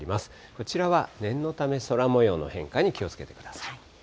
こちらは念のため、空もようの変化に気をつけてください。